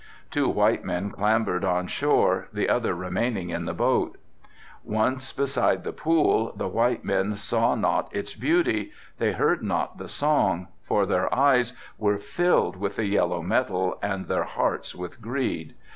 Two white men clambered on shore, the other remaining in the boat. Once beside the pool the white men saw not its beauty, they heard not the song, for their eyes were filled with the yellow metal and their hearts with greed.